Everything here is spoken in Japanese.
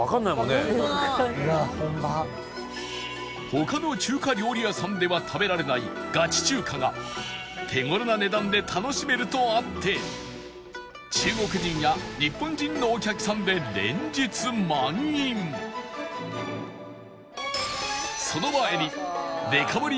他の中華料理屋さんでは食べられないガチ中華が手頃な値段で楽しめるとあって中国人や日本人のお客さんでその前にデカ盛り